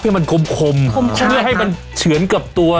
คักก้ากาเตียบครับ